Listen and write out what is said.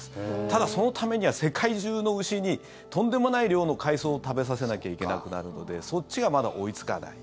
ただ、そのためには世界中の牛にとんでもない量の海藻を食べさせなきゃいけなくなるのでそっちがまだ追いつかない。